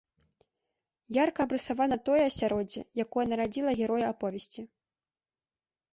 Ярка абрысавана тое асяроддзе, якое нарадзіла героя аповесці.